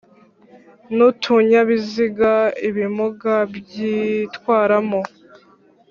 n’utunyabiziga ibimuga byitwaramo